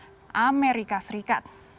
dolar amerika serikat